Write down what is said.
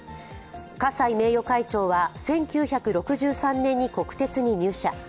葛西名誉会長は１９６３年に国鉄に入社。